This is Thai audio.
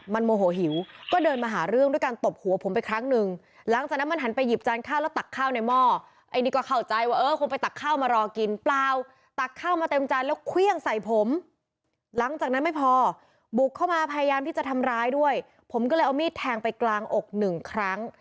บุกเข้ามาพยายามที่จะทำร้ายด้วยผมก็เลยเอามีดแทงไปกลางอกหนึ่งครั้ง